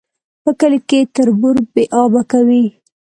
په کلي کي تربور بې آبه کوي